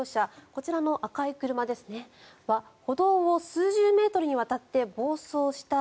こちらの赤い車は歩道を数十メートルにわたって暴走した